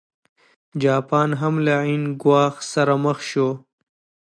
جاپان هم له عین ګواښ سره مخ شو.